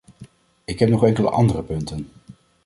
Ik heb nog enkele andere punten.